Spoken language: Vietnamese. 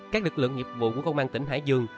các lực lượng nghiệp vụ của công an tỉnh hải dương